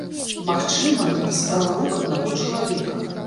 Магчыма, гэта справа рук аднаго чалавека.